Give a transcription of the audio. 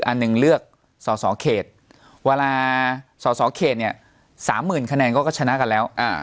อันหนึ่งเลือกสอสอเขตเวลาสอสอเขตเนี่ย๓๐๐๐คะแนนก็ชนะกันแล้ว